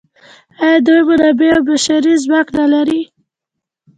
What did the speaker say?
آیا دوی منابع او بشري ځواک نلري؟